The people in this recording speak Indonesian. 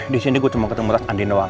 disini gue cuma ketemu tas andi doang